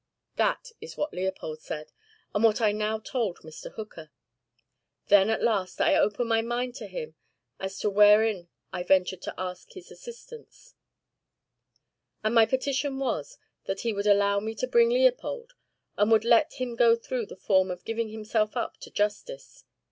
That is what Leopold said, and what I now told Mr. Hooker. Then at last I opened my mind to him as to wherein I ventured to ask his assistance; and my petition was, that he would allow me to bring Leopold, and would let him go through the form of giving himself up to justice.